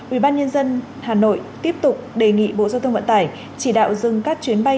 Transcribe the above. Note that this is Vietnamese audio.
ubnd hà nội tiếp tục đề nghị bộ giao thông vận tải chỉ đạo dừng các chuyến bay